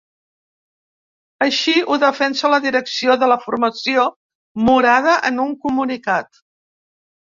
Així ho defensa la direcció de la formació morada en un comunicat.